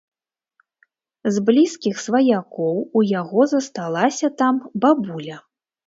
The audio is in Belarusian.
З блізкіх сваякоў у яго засталася там бабуля.